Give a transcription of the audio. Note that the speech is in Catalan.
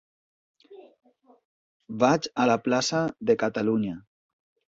Vaig a la plaça de Catalunya.